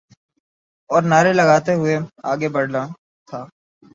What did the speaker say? اورنعرے لگاتے ہوئے آگے بڑھنا تھا۔